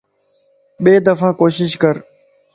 ٻي دفع ڪوشش ڪر